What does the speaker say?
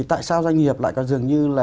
tại sao doanh nghiệp lại có dường như